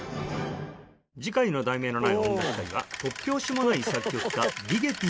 次回の『題名のない音楽会』は「突拍子もない作曲家リゲティの音楽会」